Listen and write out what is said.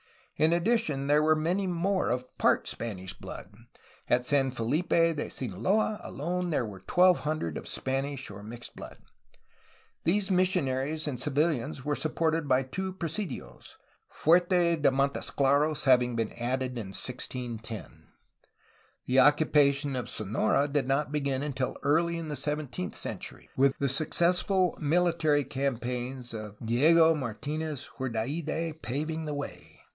In addition, there were many more of part Spanish blood; at San Felipe de Sinaloa alone there were 1200 of Spanish or mixed blood. The missionaries and civilians were supported by two presidios, Fuerte de Montesclaros having been added in 1610. The occupation of Sonora did not begin until early in the seventeenth cen tury, the successful mihtary campaigns of Diego Martinez de Hurdaide paving the way.